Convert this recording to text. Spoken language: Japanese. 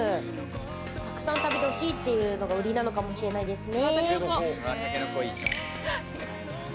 たくさん食べてほしいっていうのが売りなのかもしれないですね。